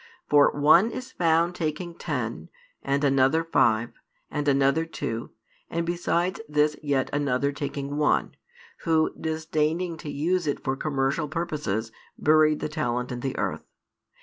For one is found taking ten, and another five, and another two, and besides these yet another taking one, who, disdaining to use it for commercial purposes, buried the talent in the earth.